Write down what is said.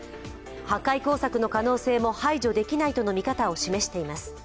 破壊工作区の可能性も排除できないとの見方も示しています。